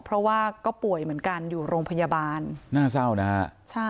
เพราะว่าก็ป่วยเหมือนกันอยู่โรงพยาบาลน่าเศร้านะฮะใช่